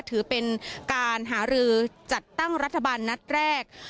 ถือเป็นการหารือจัดตั้งรัฐบาลนัดแรก